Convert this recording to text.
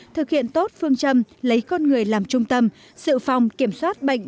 thực hiện tốt phương châm lấy con người làm trung tâm sự phòng kiểm soát bệnh